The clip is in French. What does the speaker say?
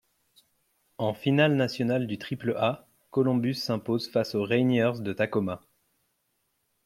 En finale nationale du Triple-A, Columbus s'impose face aux Rainiers de Tacoma.